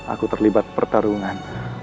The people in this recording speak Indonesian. aku terlibat pertarungan